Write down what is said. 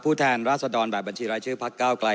ผู้แทนราชสะดอนแบบบัญชีเร้านชื่อพเกกลัย